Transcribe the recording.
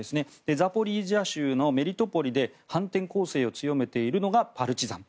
ザポリージャ州のメリトポリで反転攻勢を強めているのがパルチザン。